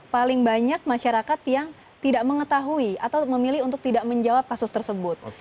paling banyak masyarakat yang tidak mengetahui atau memilih untuk tidak menjawab kasus tersebut